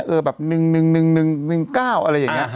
แบบ๑๑๑๑๑๑๑๑๑๙อะไรอย่างนี้